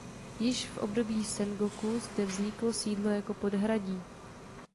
Již v období Sengoku zde vzniklo sídlo jako podhradí.